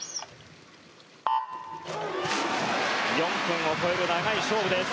４分を超える長い勝負です。